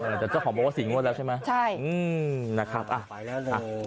แต่เจ้าของบอกว่าสี่งวดแล้วใช่ไหมใช่อืมนะครับอ่ะไปแล้วนะ